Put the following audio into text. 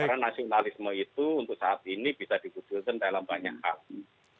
karena nasionalisme itu untuk saat ini bisa dibutuhkan dalam banyak hal